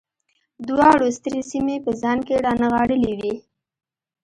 دواړو سترې سیمې په ځان کې رانغاړلې وې